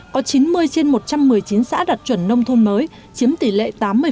có chín mươi trên một trăm một mươi chín xã đạt chuẩn nông thôn mới chiếm tỷ lệ tám mươi